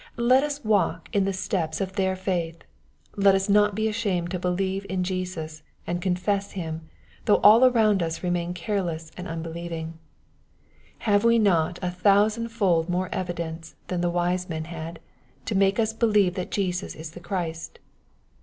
Let us walk in the steps of their faith. Let us not be ashamed to believe in Jesus and confess Him, though all around us remain careless and unbeUeving, Have we not a thousand fold more evidence than the wise men had, to make us believe that Jesus is the Christ